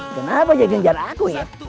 kenapa dia genjar aku ya